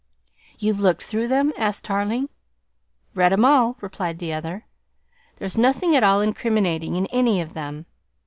"You've looked through them?" asked Tarling "Read 'em all," replied the other. "There's nothing at all incriminating in any of them.